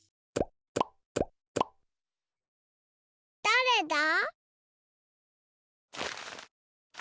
だれだ？